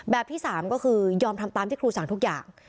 ที่๓ก็คือยอมทำตามที่ครูสั่งทุกอย่าง